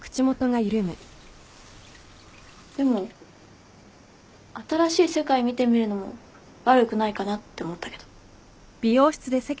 でも新しい世界見てみるのも悪くないかなって思ったけど。